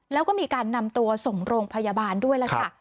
แล้วก็มีการนำตัวส่งโรงพยาบาลด้วยล่ะค่ะ